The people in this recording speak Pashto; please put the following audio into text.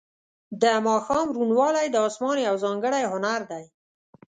د ماښام روڼوالی د اسمان یو ځانګړی هنر دی.